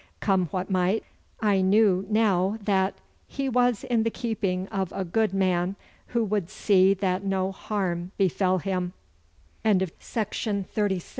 Come what might, I knew now that, he was in the keeping of a good man who would see that no harm befell hi